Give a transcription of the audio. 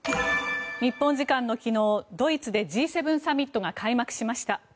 日本時間の昨日、ドイツでＧ７サミットが開幕しました。